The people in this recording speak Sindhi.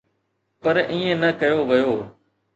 پر ائين نه ڪيو ويو.